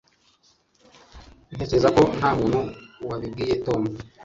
Ntekereza ko nta muntu wabibwiye Tom.